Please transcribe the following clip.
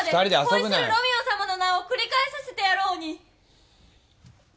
「恋するロミオさまの名を繰り返させてやろうに！」